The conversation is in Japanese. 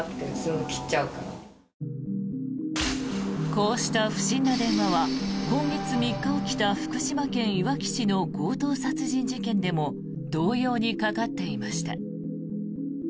こうした不審な電話は今月３日起きた福島県いわき市の強盗殺人事件でも同様にかかっていました。